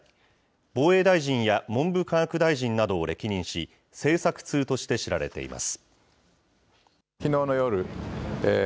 防衛大臣や文部科学大臣などを歴任し、政策通として知られています。